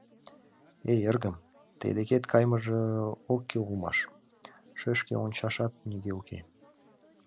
Эй, эргым, тый декет кайымыже ок кӱл улмаш, шешке ончашат нигӧ уке!..